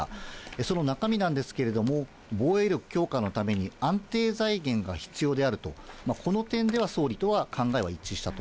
その中身なんですけれども、防衛力強化のために安定財源が必要であると、この点では総理とは考えは一致したと。